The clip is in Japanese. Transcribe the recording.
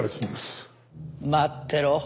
待ってろ。